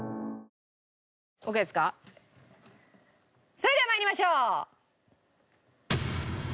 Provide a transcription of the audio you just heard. それでは参りましょう。